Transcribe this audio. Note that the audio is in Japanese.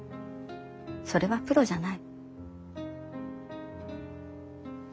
それはプロじゃない。